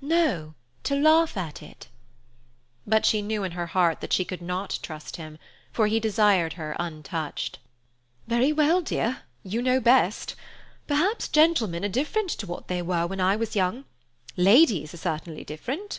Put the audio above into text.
"No, to laugh at it." But she knew in her heart that she could not trust him, for he desired her untouched. "Very well, dear, you know best. Perhaps gentlemen are different to what they were when I was young. Ladies are certainly different."